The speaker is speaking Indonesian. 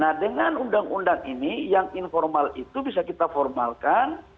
nah dengan undang undang ini yang informal itu bisa kita formalkan